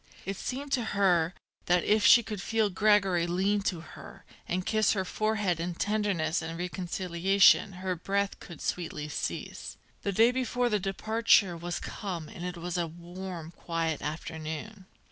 It seemed to her that if she could feel Gregory lean to her and kiss her forehead in tenderness and reconciliation her breath could sweetly cease. The day before the departure was come and it was a warm, quiet afternoon.